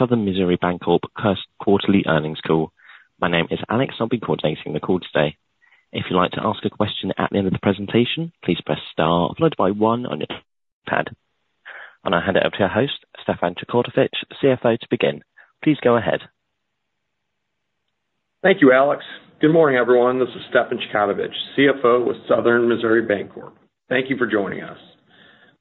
Southern Missouri Bancorp First Quarter Earnings Call. My name is Alex, and I'll be coordinating the call today. If you'd like to ask a question at the end of the presentation, please press star, followed by one on your keypad. I'll hand it over to our host, Stefan Chkautovich, CFO, to begin. Please go ahead. Thank you, Alex. Good morning, everyone. This is Stefan Chkautovich, CFO with Southern Missouri Bancorp. Thank you for joining us.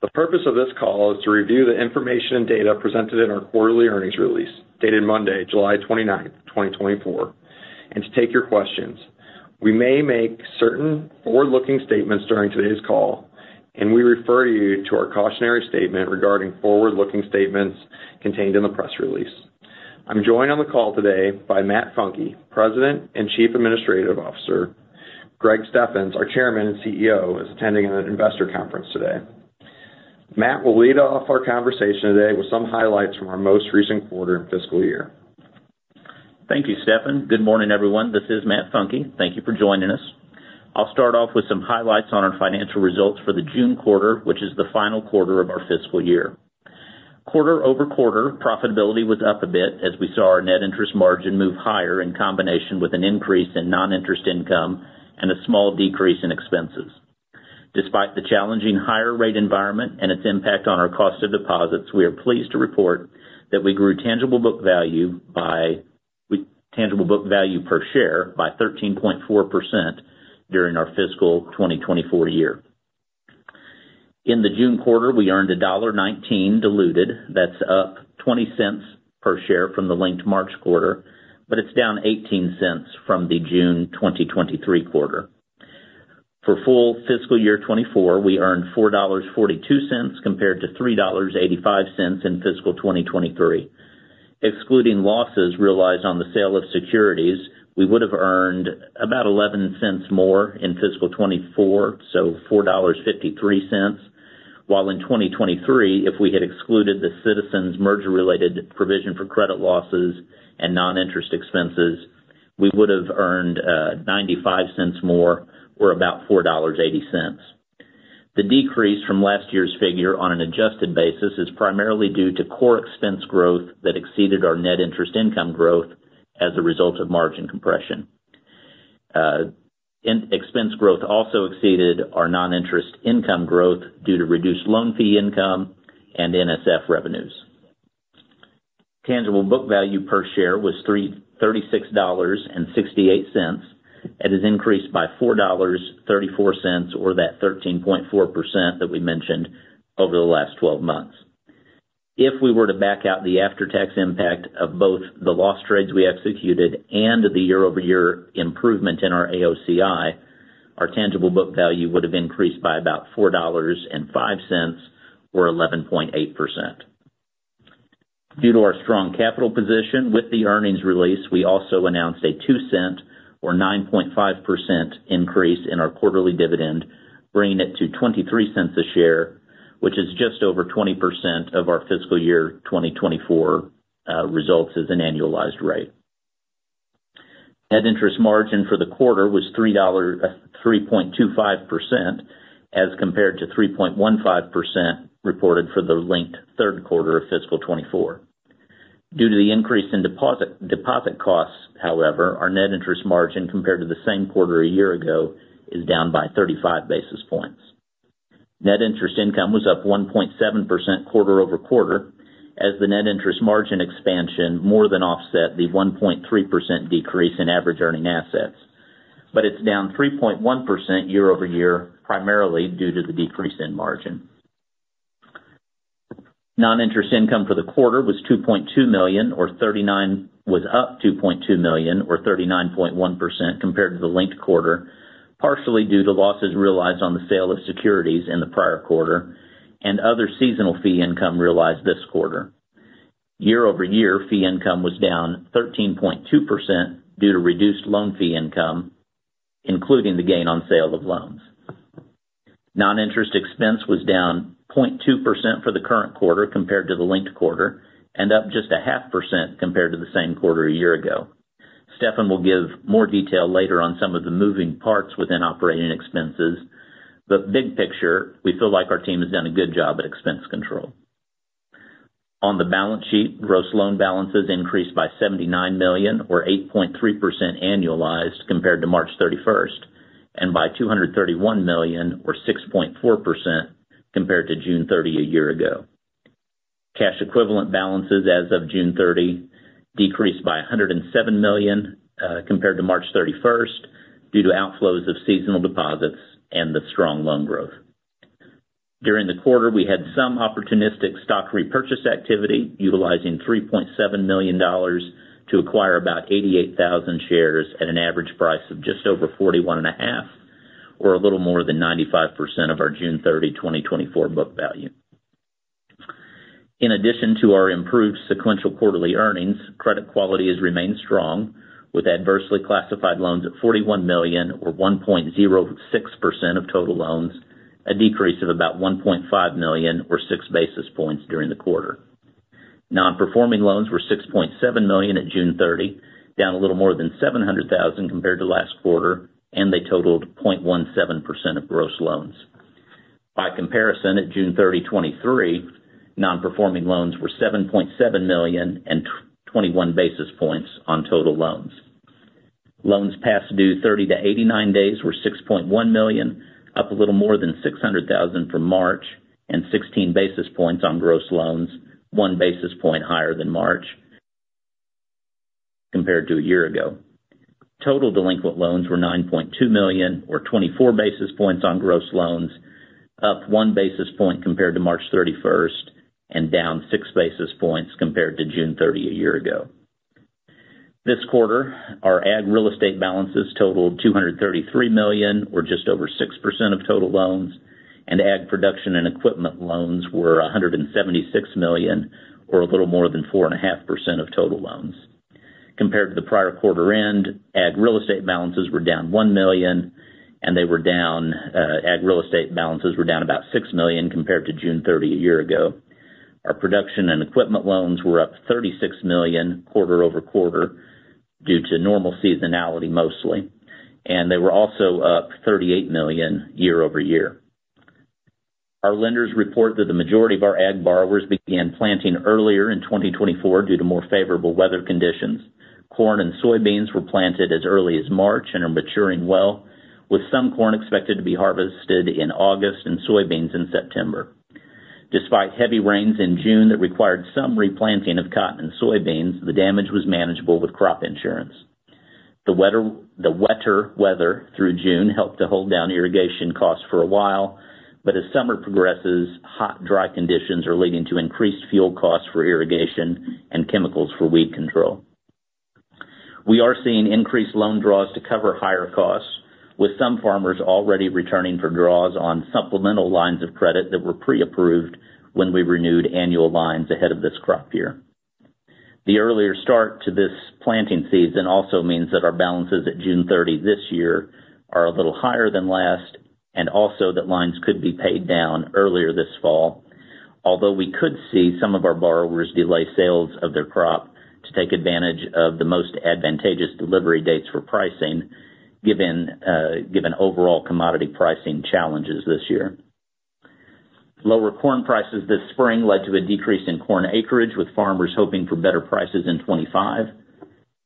The purpose of this call is to review the information and data presented in our quarterly earnings release dated Monday, July 29th, 2024, and to take your questions. We may make certain forward-looking statements during today's call, and we refer you to our cautionary statement regarding forward-looking statements contained in the press release. I'm joined on the call today by Matt Funke, President and Chief Administrative Officer. Greg Steffens, our Chairman and CEO, is attending an investor conference today. Matt will lead off our conversation today with some highlights from our most recent quarter and fiscal year. Thank you, Stefan. Good morning, everyone. This is Matt Funke. Thank you for joining us. I'll start off with some highlights on our financial results for the June quarter, which is the final quarter of our fiscal year. Quarter-over-quarter, profitability was up a bit as we saw our net interest margin move higher in combination with an increase in non-interest income and a small decrease in expenses. Despite the challenging higher-rate environment and its impact on our cost of deposits, we are pleased to report that we grew tangible book value by tangible book value per share by 13.4% during our fiscal 2024 year. In the June quarter, we earned $1.19 diluted. That's up 20 cents per share from the linked March quarter, but it's down 18 cents from the June 2023 quarter. For full fiscal year 2024, we earned $4.42 compared to $3.85 in fiscal 2023. Excluding losses realized on the sale of securities, we would have earned about $0.11 more in fiscal 2024, so $4.53. While in 2023, if we had excluded the Citizens' merger-related provision for credit losses and non-interest expenses, we would have earned $0.95 more or about $4.80. The decrease from last year's figure on an adjusted basis is primarily due to core expense growth that exceeded our net interest income growth as a result of margin compression. Expense growth also exceeded our non-interest income growth due to reduced loan fee income and NSF revenues. Tangible book value per share was $36.68. It has increased by $4.34 or that 13.4% that we mentioned over the last 12 months. If we were to back out the after-tax impact of both the loss trades we executed and the year-over-year improvement in our AOCI, our tangible book value would have increased by about $4.05 or 11.8%. Due to our strong capital position with the earnings release, we also announced a $0.02 or 9.5% increase in our quarterly dividend, bringing it to $0.23 a share, which is just over 20% of our fiscal year 2024 results as an annualized rate. Net interest margin for the quarter was 3.25% as compared to 3.15% reported for the linked third quarter of fiscal 2024. Due to the increase in deposit costs, however, our net interest margin compared to the same quarter a year ago is down by 35 basis points. Net interest income was up 1.7% quarter-over-quarter as the net interest margin expansion more than offset the 1.3% decrease in average earning assets, but it's down 3.1% year-over-year primarily due to the decrease in margin. Non-interest income for the quarter was up $2.2 million or 39.1% compared to the linked quarter, partially due to losses realized on the sale of securities in the prior quarter and other seasonal fee income realized this quarter. Year-over-year fee income was down 13.2% due to reduced loan fee income, including the gain on sale of loans. Non-interest expense was down 0.2% for the current quarter compared to the linked quarter and up just 0.5% compared to the same quarter a year ago. Stefan will give more detail later on some of the moving parts within operating expenses, but big picture, we feel like our team has done a good job at expense control. On the balance sheet, gross loan balances increased by $79 million or 8.3% annualized compared to March 31st and by $231 million or 6.4% compared to June 30 a year ago. Cash equivalent balances as of June 30 decreased by $107 million compared to March 31st due to outflows of seasonal deposits and the strong loan growth. During the quarter, we had some opportunistic stock repurchase activity utilizing $3.7 million to acquire about 88,000 shares at an average price of just over $41.5 or a little more than 95% of our June 30, 2024, book value. In addition to our improved sequential quarterly earnings, credit quality has remained strong with adversely classified loans at $41 million or 1.06% of total loans, a decrease of about $1.5 million or 6 basis points during the quarter. Non-performing loans were $6.7 million at June 30, down a little more than $700,000 compared to last quarter, and they totaled 0.17% of gross loans. By comparison, at June 30, 2023, non-performing loans were $7.7 million and 21 basis points on total loans. Loans past due 30 to 89 days were $6.1 million, up a little more than $600,000 for March and 16 basis points on gross loans, one basis point higher than March compared to a year ago. Total delinquent loans were $9.2 million or 24 basis points on gross loans, up one basis point compared to March 31st and down 6 basis points compared to June 30 a year ago. This quarter, our ag real estate balances totaled $233 million or just over 6% of total loans, and ag production and equipment loans were $176 million or a little more than 4.5% of total loans. Compared to the prior quarter-end, ag real estate balances were down $1 million, and they were down about $6 million compared to June 30 a year ago. Our production and equipment loans were up $36 million quarter-over-quarter due to normal seasonality mostly, and they were also up $38 million year-over-year. Our lenders report that the majority of our ag borrowers began planting earlier in 2024 due to more favorable weather conditions. Corn and soybeans were planted as early as March and are maturing well, with some corn expected to be harvested in August and soybeans in September. Despite heavy rains in June that required some replanting of cotton and soybeans, the damage was manageable with crop insurance. The wetter weather through June helped to hold down irrigation costs for a while, but as summer progresses, hot, dry conditions are leading to increased fuel costs for irrigation and chemicals for weed control. We are seeing increased loan draws to cover higher costs, with some farmers already returning for draws on supplemental lines of credit that were pre-approved when we renewed annual lines ahead of this crop year. The earlier start to this planting season also means that our balances at June 30 this year are a little higher than last and also that lines could be paid down earlier this fall, although we could see some of our borrowers delay sales of their crop to take advantage of the most advantageous delivery dates for pricing given overall commodity pricing challenges this year. Lower corn prices this spring led to a decrease in corn acreage, with farmers hoping for better prices in 2025.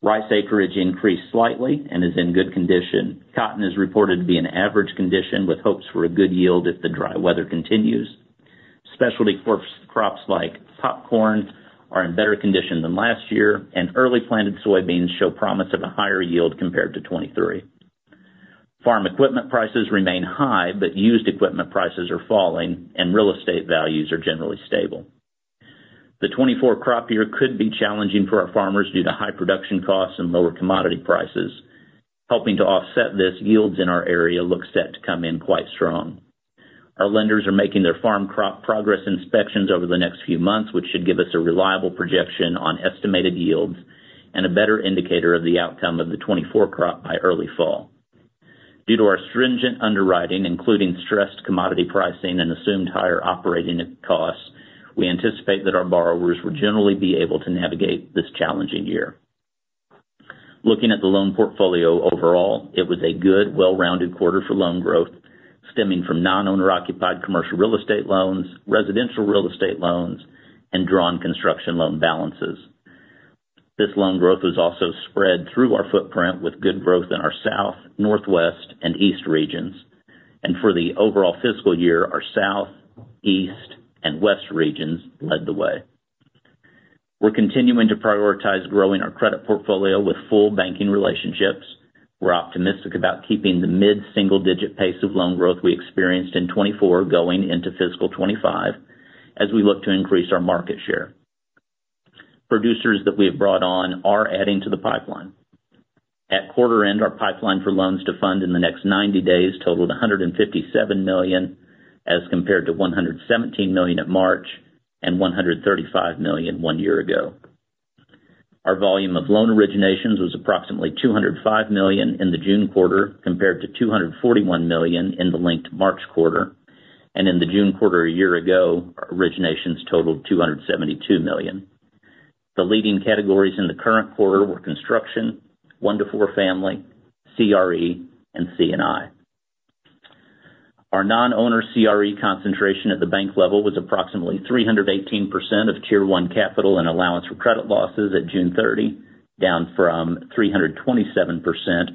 Rice acreage increased slightly and is in good condition. Cotton is reported to be in average condition with hopes for a good yield if the dry weather continues. Specialty crops like popcorn are in better condition than last year, and early-planted soybeans show promise of a higher yield compared to 2023. Farm equipment prices remain high, but used equipment prices are falling, and real estate values are generally stable. The 2024 crop year could be challenging for our farmers due to high production costs and lower commodity prices. Helping to offset this, yields in our area look set to come in quite strong. Our lenders are making their farm crop progress inspections over the next few months, which should give us a reliable projection on estimated yields and a better indicator of the outcome of the 2024 crop by early fall. Due to our stringent underwriting, including stressed commodity pricing and assumed higher operating costs, we anticipate that our borrowers will generally be able to navigate this challenging year. Looking at the loan portfolio overall, it was a good, well-rounded quarter for loan growth, stemming from non-owner-occupied commercial real estate loans, residential real estate loans, and drawn construction loan balances. This loan growth was also spread through our footprint with good growth in our south, northwest, and east regions. For the overall fiscal year, our south, east, and west regions led the way. We're continuing to prioritize growing our credit portfolio with full banking relationships. We're optimistic about keeping the mid-single-digit pace of loan growth we experienced in 2024 going into fiscal 2025 as we look to increase our market share. Producers that we have brought on are adding to the pipeline. At quarter-end, our pipeline for loans to fund in the next 90 days totaled $157 million as compared to $117 million at March and $135 million one year ago. Our volume of loan originations was approximately $205 million in the June quarter compared to $241 million in the linked March quarter. In the June quarter a year ago, originations totaled $272 million. The leading categories in the current quarter were construction, One-to-four family, CRE, and C&I. Our non-owner CRE concentration at the bank level was approximately 318% of Tier 1 capital and allowance for credit losses at June 30, down from 327%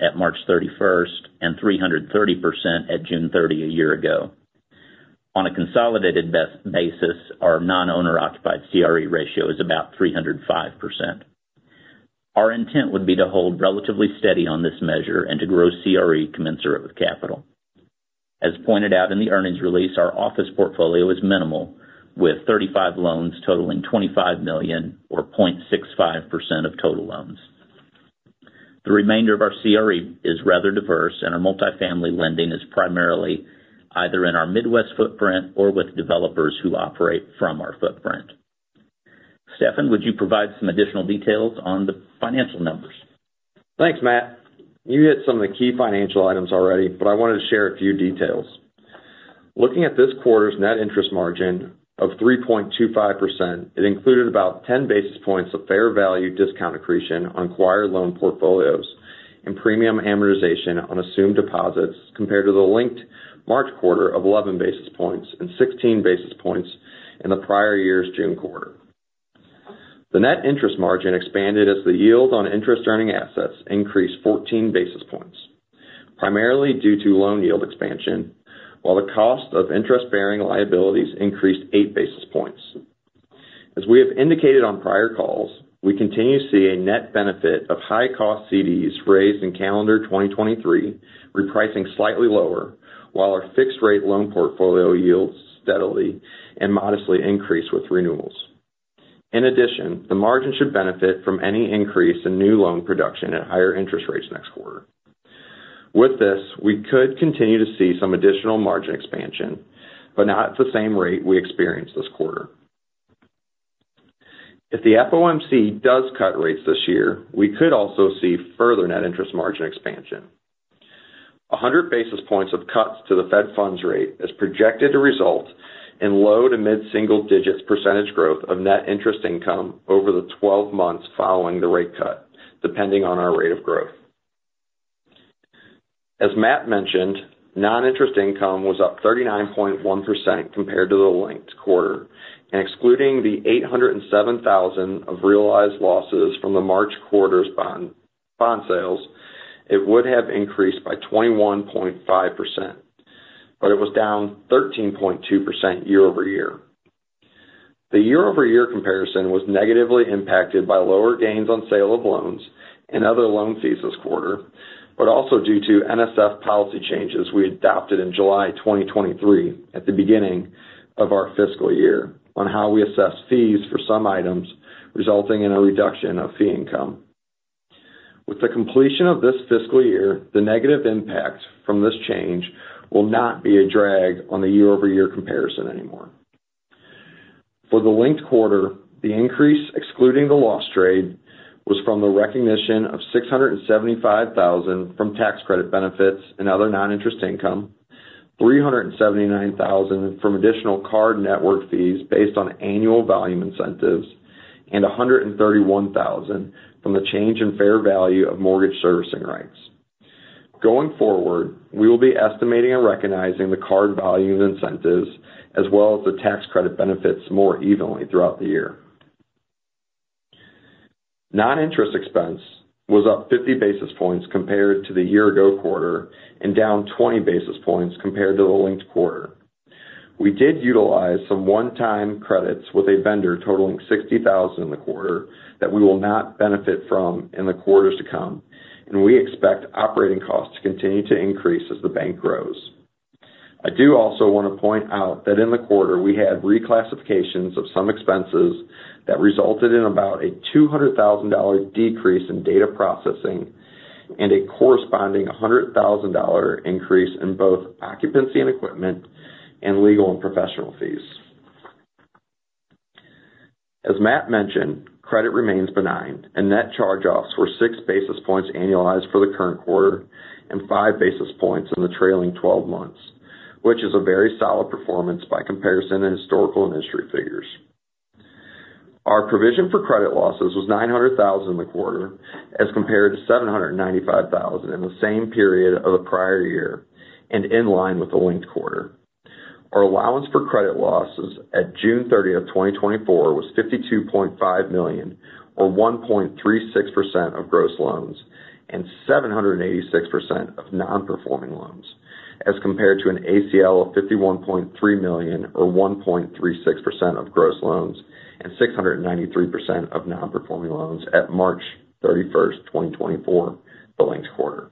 at March 31st and 330% at June 30 a year ago. On a consolidated basis, our non-owner-occupied CRE ratio is about 305%. Our intent would be to hold relatively steady on this measure and to grow CRE commensurate with capital. As pointed out in the earnings release, our office portfolio is minimal, with 35 loans totaling $25 million or 0.65% of total loans. The remainder of our CRE is rather diverse, and our multifamily lending is primarily either in our Midwest footprint or with developers who operate from our footprint. Stefan, would you provide some additional details on the financial numbers? Thanks, Matt. You hit some of the key financial items already, but I wanted to share a few details. Looking at this quarter's net interest margin of 3.25%, it included about 10 basis points of fair value discount accretion on acquired loan portfolios and premium amortization on assumed deposits compared to the linked March quarter of 11 basis points and 16 basis points in the prior year's June quarter. The net interest margin expanded as the yield on interest-earning assets increased 14 basis points, primarily due to loan yield expansion, while the cost of interest-bearing liabilities increased 8 basis points. As we have indicated on prior calls, we continue to see a net benefit of high-cost CDs raised in calendar 2023 repricing slightly lower, while our fixed-rate loan portfolio yields steadily and modestly increase with renewals. In addition, the margin should benefit from any increase in new loan production at higher interest rates next quarter. With this, we could continue to see some additional margin expansion, but not at the same rate we experienced this quarter. If the FOMC does cut rates this year, we could also see further net interest margin expansion. 100 basis points of cuts to the Fed funds rate is projected to result in low- to mid-single digits % growth of net interest income over the 12 months following the rate cut, depending on our rate of growth. As Matt mentioned, non-interest income was up 39.1% compared to the linked quarter. Excluding the $807,000 of realized losses from the March quarter's bond sales, it would have increased by 21.5%, but it was down 13.2% year-over-year. The year-over-year comparison was negatively impacted by lower gains on sale of loans and other loan fees this quarter, but also due to NSF policy changes we adopted in July 2023 at the beginning of our fiscal year on how we assess fees for some items, resulting in a reduction of fee income. With the completion of this fiscal year, the negative impact from this change will not be a drag on the year-over-year comparison anymore. For the linked quarter, the increase, excluding the loss trade, was from the recognition of $675,000 from tax credit benefits and other non-interest income, $379,000 from additional card network fees based on annual volume incentives, and $131,000 from the change in fair value of mortgage servicing rights. Going forward, we will be estimating and recognizing the card volume incentives as well as the tax credit benefits more evenly throughout the year. Non-interest expense was up 50 basis points compared to the year-ago quarter and down 20 basis points compared to the linked quarter. We did utilize some one-time credits with a vendor totaling $60,000 in the quarter that we will not benefit from in the quarters to come, and we expect operating costs to continue to increase as the bank grows. I do also want to point out that in the quarter, we had reclassifications of some expenses that resulted in about a $200,000 decrease in data processing and a corresponding $100,000 increase in both occupancy and equipment and legal and professional fees. As Matt mentioned, credit remains benign. And net charge-offs were 6 basis points annualized for the current quarter and 5 basis points in the trailing 12 months, which is a very solid performance by comparison to historical industry figures. Our provision for credit losses was $900,000 in the quarter as compared to $795,000 in the same period of the prior year and in line with the linked quarter. Our allowance for credit losses at June 30, 2024, was $52.5 million or 1.36% of gross loans and 786% of non-performing loans as compared to an ACL of $51.3 million or 1.36% of gross loans and 693% of non-performing loans at March 31, 2024, the linked quarter.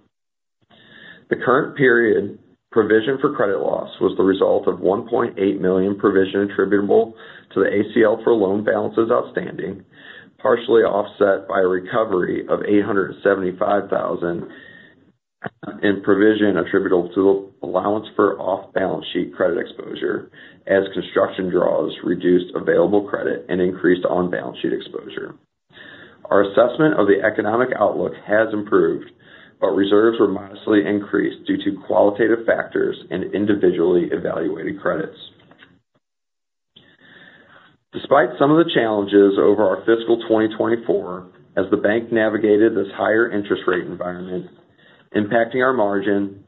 The current period provision for credit loss was the result of $1.8 million provision attributable to the ACL for loan balances outstanding, partially offset by a recovery of $875,000 in provision attributable to the allowance for off-balance sheet credit exposure as construction draws reduced available credit and increased on-balance sheet exposure. Our assessment of the economic outlook has improved, but reserves were modestly increased due to qualitative factors and individually evaluated credits. Despite some of the challenges over our fiscal 2024, as the bank navigated this higher interest rate environment, impacting our margin,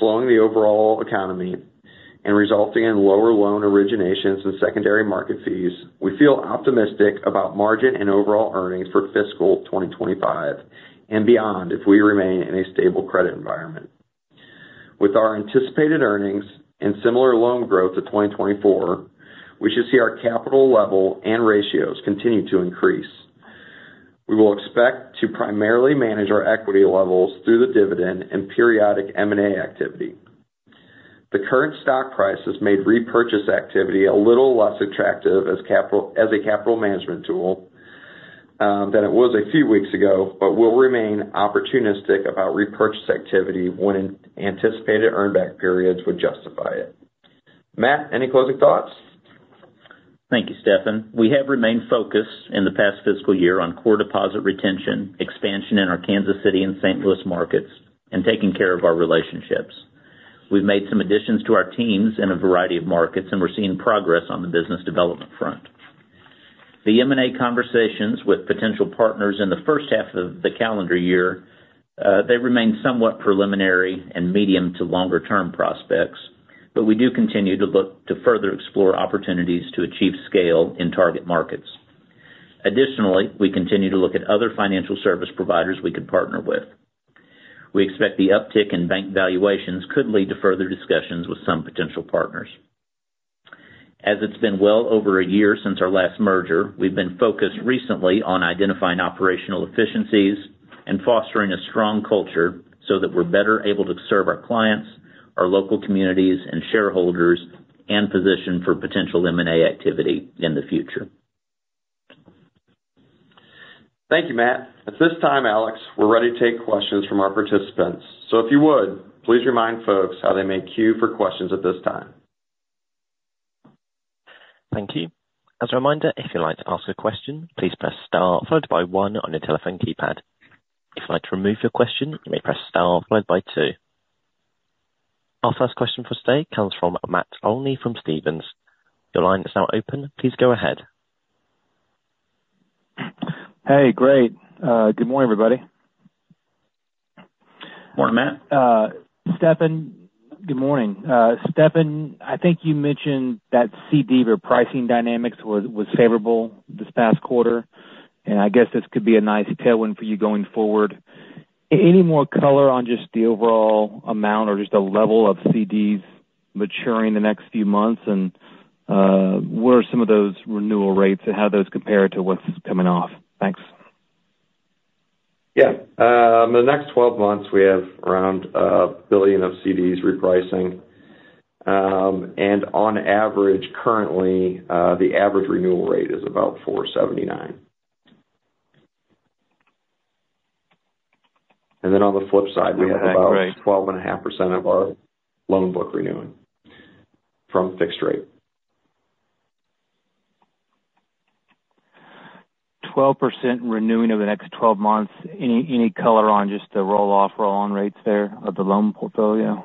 slowing the overall economy, and resulting in lower loan originations and secondary market fees, we feel optimistic about margin and overall earnings for fiscal 2025 and beyond if we remain in a stable credit environment. With our anticipated earnings and similar loan growth to 2024, we should see our capital level and ratios continue to increase. We will expect to primarily manage our equity levels through the dividend and periodic M&A activity. The current stock price has made repurchase activity a little less attractive as a capital management tool than it was a few weeks ago, but we'll remain opportunistic about repurchase activity when anticipated earnback periods would justify it. Matt, any closing thoughts? Thank you, Stefan. We have remained focused in the past fiscal year on core deposit retention, expansion in our Kansas City and St. Louis markets, and taking care of our relationships. We've made some additions to our teams in a variety of markets, and we're seeing progress on the business development front. The M&A conversations with potential partners in the first half of the calendar year, they remain somewhat preliminary and medium to longer-term prospects, but we do continue to look to further explore opportunities to achieve scale in target markets. Additionally, we continue to look at other financial service providers we could partner with. We expect the uptick in bank valuations could lead to further discussions with some potential partners. As it's been well over a year since our last merger, we've been focused recently on identifying operational efficiencies and fostering a strong culture so that we're better able to serve our clients, our local communities, and shareholders and position for potential M&A activity in the future. Thank you, Matt. At this time, Alex, we're ready to take questions from our participants. So if you would, please remind folks how they may queue for questions at this time. Thank you. As a reminder, if you'd like to ask a question, please press star, followed by one on your telephone keypad. If you'd like to remove your question, you may press star, followed by two. Our first question for today comes from Matt Olney from Stephens. Your line is now open. Please go ahead. Hey, great. Good morning, everybody. Morning, Matt. Stefan, good morning. Stefan, I think you mentioned that CD or pricing dynamics was favorable this past quarter, and I guess this could be a nice tailwind for you going forward. Any more color on just the overall amount or just the level of CDs maturing the next few months? And what are some of those renewal rates and how do those compare to what's coming off? Thanks. Yeah. In the next 12 months, we have around $1 billion of CDs repricing. And on average, currently, the average renewal rate is about 479. And then on the flip side, we have about 12.5% of our loan book renewing from fixed rate. 12% renewing over the next 12 months. Any color on just the roll-off, roll-on rates there of the loan portfolio?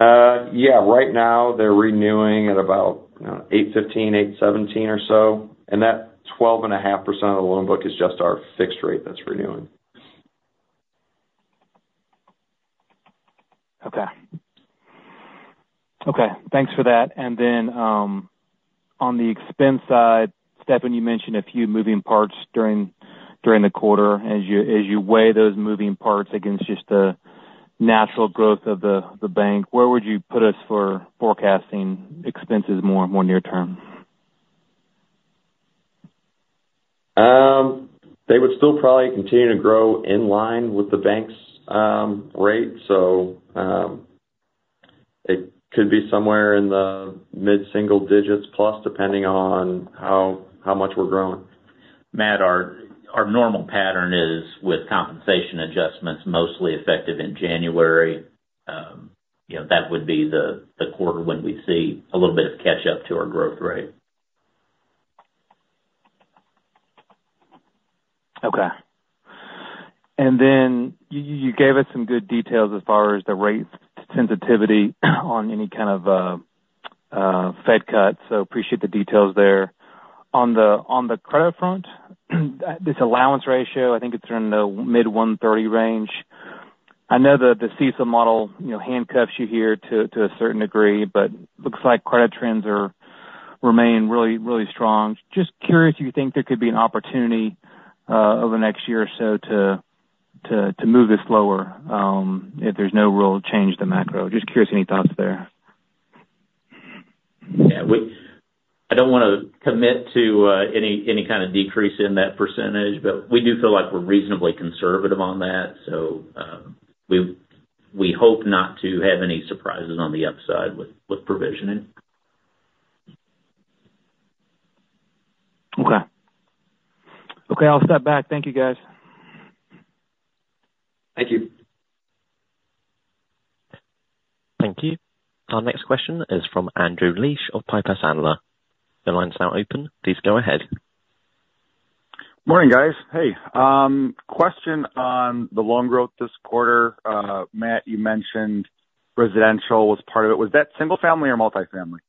Yeah. Right now, they're renewing at about 815, 817 or so. And that 12.5% of the loan book is just our fixed rate that's renewing. Okay. Okay. Thanks for that. And then on the expense side, Stefan, you mentioned a few moving parts during the quarter. As you weigh those moving parts against just the natural growth of the bank, where would you put us for forecasting expenses more near-term? They would still probably continue to grow in line with the bank's rate. So it could be somewhere in the mid-single digits plus, depending on how much we're growing. Matt, our normal pattern is with compensation adjustments mostly effective in January. That would be the quarter when we see a little bit of catch-up to our growth rate. Okay. And then you gave us some good details as far as the rate sensitivity on any kind of Fed cuts. So appreciate the details there. On the credit front, this allowance ratio, I think it's in the mid-130 range. I know that the CECL model handcuffs you here to a certain degree, but it looks like credit trends remain really, really strong. Just curious if you think there could be an opportunity over the next year or so to move this lower if there's no real change to the macro. Just curious if any thoughts there. Yeah. I don't want to commit to any kind of decrease in that percentage, but we do feel like we're reasonably conservative on that. So we hope not to have any surprises on the upside with provisioning. Okay. Okay. I'll step back. Thank you, guys. Thank you. Thank you. Our next question is from Andrew Liesch of Piper Sandler. The line's now open. Please go ahead. Morning, guys. Hey. Question on the loan growth this quarter. Matt, you mentioned residential was part of it. Was that single-family or multi-family?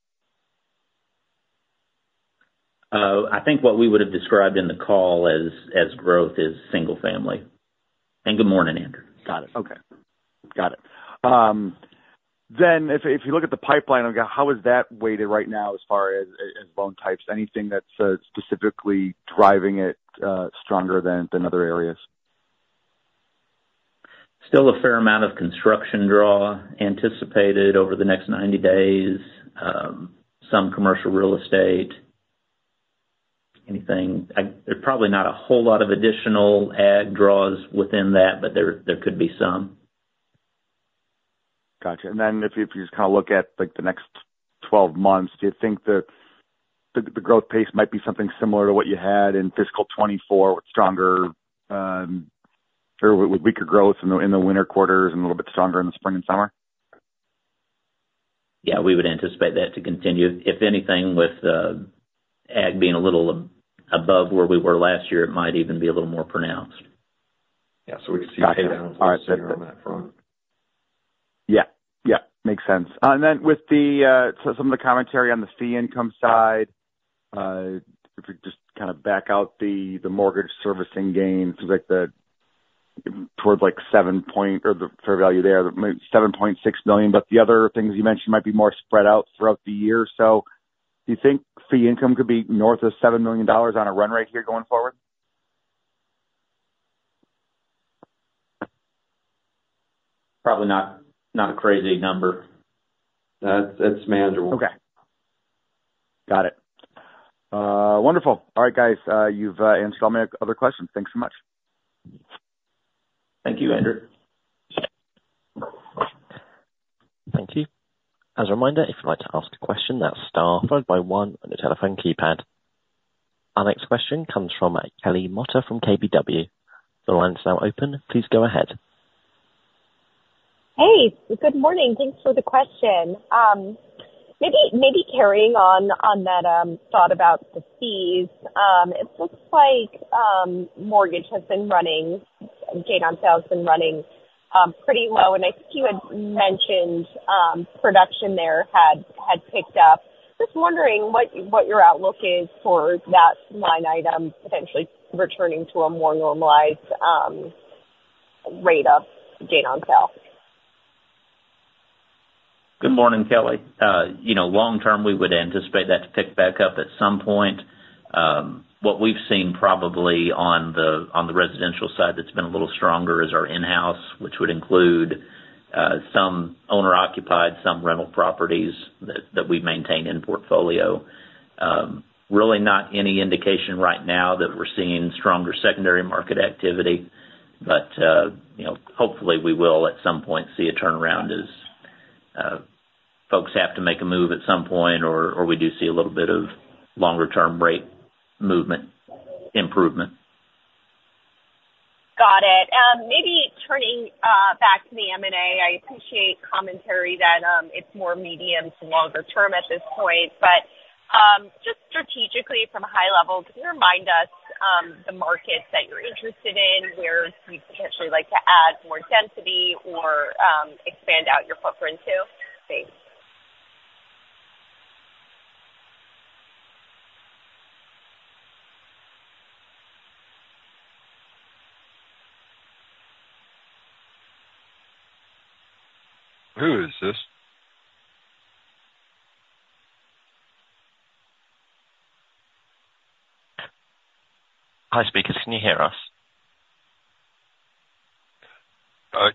I think what we would have described in the call as growth is single-family. Good morning, Andrew. Got it. Okay. Got it. If you look at the pipeline, how is that weighted right now as far as loan types? Anything that's specifically driving it stronger than other areas? Still a fair amount of construction draw anticipated over the next 90 days. Some commercial real estate. There's probably not a whole lot of additional ag draws within that, but there could be some. Gotcha. If you just kind of look at the next 12 months, do you think the growth pace might be something similar to what you had in fiscal 2024 with stronger or weaker growth in the winter quarters and a little bit stronger in the spring and summer? Yeah. We would anticipate that to continue. If anything, with ag being a little above where we were last year, it might even be a little more pronounced. Yeah. So we could see a paydown on that front. Yeah. Yeah. Makes sense. And then with some of the commentary on the fee income side, if we just kind of back out the mortgage servicing gain, it seems like towards like 7 point or the fair value there, $7.6 million, but the other things you mentioned might be more spread out throughout the year. So do you think fee income could be north of $7 million on a run rate here going forward? Probably not a crazy number. That's manageable. Okay. Got it. Wonderful. All right, guys. You've answered all my other questions. Thanks so much. Thank you, Andrew. Thank you. As a reminder, if you'd like to ask a question, that's star, followed by 1 on your telephone keypad. Our next question comes from Kelly Motta from KBW. The line's now open. Please go ahead. Hey. Good morning. Thanks for the question. Maybe carrying on that thought about the fees, it looks like mortgage has been running, gain on sales has been running pretty low, and I think you had mentioned production there had picked up. Just wondering what your outlook is for that line item potentially returning to a more normalized rate of gain on sale. Good morning, Kelly. Long term, we would anticipate that to pick back up at some point. What we've seen probably on the residential side that's been a little stronger is our in-house, which would include some owner-occupied, some rental properties that we maintain in portfolio. Really not any indication right now that we're seeing stronger secondary market activity, but hopefully we will at some point see a turnaround as folks have to make a move at some point or we do see a little bit of longer-term rate movement improvement. Got it. Maybe turning back to the M&A, I appreciate commentary that it's more medium to longer term at this point, but just strategically from a high level, can you remind us the markets that you're interested in, where you'd potentially like to add more density or expand out your footprint to? Thanks. Who is this? Hi, speakers. Can you hear us?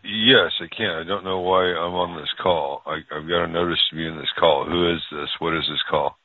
Yes, I can. I don't know why I'm on this call. I've got a notice to be in this call. Who is this? What is this call?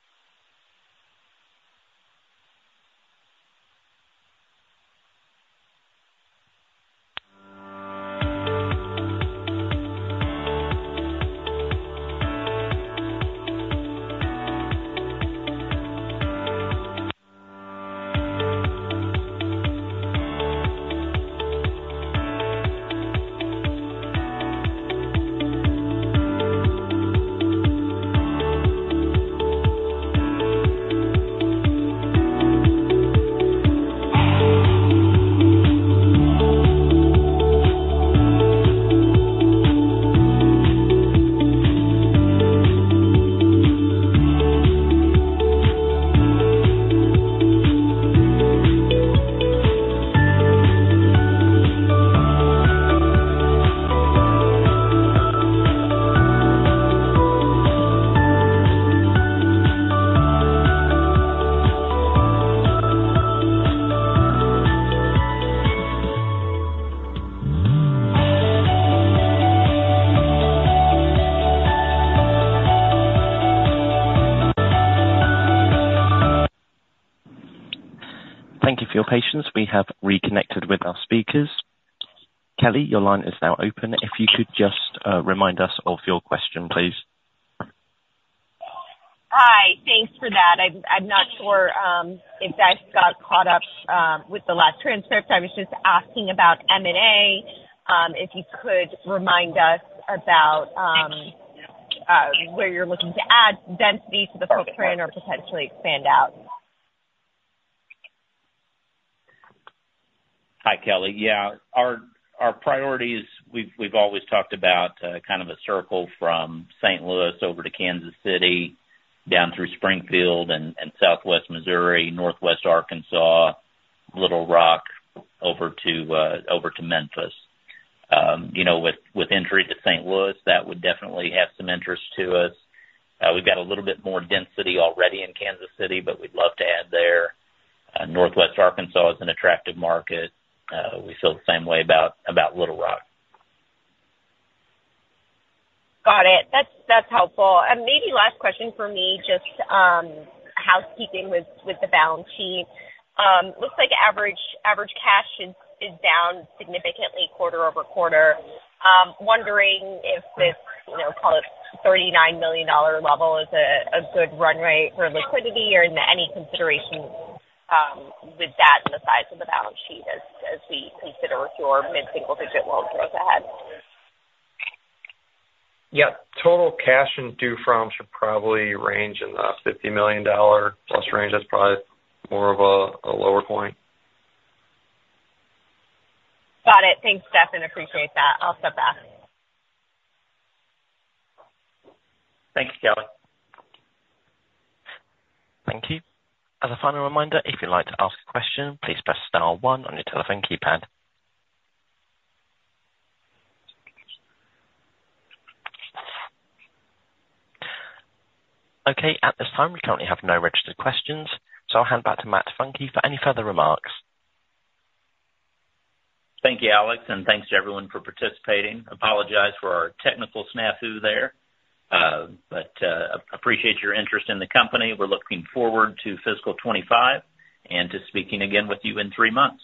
Thank you for your patience. We have reconnected with our speakers. Kelly, your line is now open. If you could just remind us of your question, please. Hi. Thanks for that. I'm not sure if I got caught up with the last transcript. I was just asking about M&A, if you could remind us about where you're looking to add density to the footprint or potentially expand out. Hi, Kelly. Yeah. Our priorities, we've always talked about kind of a circle from St. Louis over to Kansas City, down through Springfield and Southwest Missouri, northwest Arkansas, Little Rock over to Memphis. With entry to St. Louis, that would definitely have some interest to us. We've got a little bit more density already in Kansas City, but we'd love to add there. Northwest Arkansas is an attractive market. We feel the same way about Little Rock. Got it. That's helpful. And maybe last question for me, just housekeeping with the balance sheet. Looks like average cash is down significantly quarter-over-quarter. Wondering if this $39 million level is a good run rate for liquidity or any consideration with that and the size of the balance sheet as we consider with your mid-single-digit loan growth ahead. Yeah. Total cash and due froms should probably range in the $50 million plus range. That's probably more of a lower point. Got it. Thanks, Stefan. Appreciate that. I'll step back. Thank you, Kelly. Thank you. As a final reminder, if you'd like to ask a question, please press Star 1 on your telephone keypad. Okay. At this time, we currently have no registered questions. So I'll hand back to Matt Funke for any further remarks. Thank you, Alex. And thanks to everyone for participating. Apologize for our technical snafu there, but appreciate your interest in the company. We're looking forward to fiscal 2025 and to speaking again with you in three months.